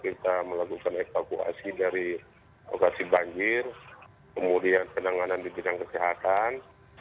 penyelamatan warga bu yang bagaimana kita melakukan evakuasi dari lokasi banjir kemudian penanganan di bidang kesehatan